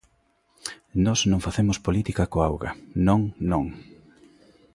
Nós non facemos política coa auga, ¡Non, non!